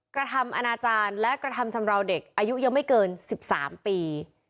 กระทำอนาจารย์และกระทำชำราวเด็กอายุยังไม่เกิน๑๓ปี